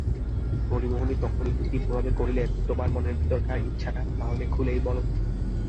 হরিমোহিনী তখন একটু তীব্রভাবে কহিলেন, তোমার মনে ভিতরকার ইচ্ছাটা তা হলে খুলেই বলো-না।